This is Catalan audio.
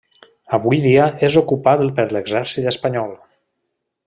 Avui dia és ocupat per l'exèrcit espanyol.